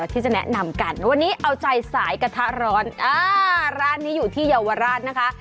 ที่จะแนะนำกันวันนี้เอาใจสายกระทะร้อนอ่าร้านนี้อยู่ที่เยาวราชนะคะ